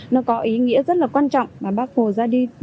nó có ý nghĩa rất là quan trọng